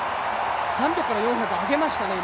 ３００から４００、上げましたね、今。